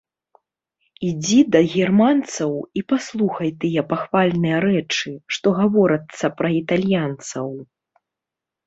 Ідзі да германцаў і паслухай тыя пахвальныя рэчы, што гаворацца пра італьянцаў!